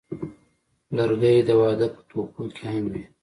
لرګی د واده په تحفو کې هم وي.